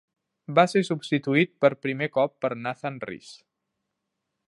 Va ser substituït per primer cop per Nathan Rees.